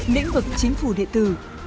lĩnh vực chính phủ địa tử